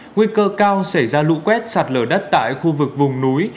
nguy cơ cao xảy ra lũ quét sạt lở đất tại khu vực vùng núi